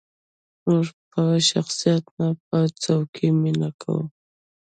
موږ په شخصیت نه، په څوکې مینه کوو.